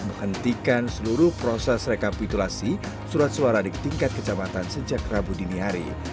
menghentikan seluruh proses rekapitulasi surat suara di tingkat kecamatan sejak rabu dini hari